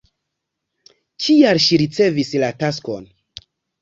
Kial ŝi ricevis la taskon?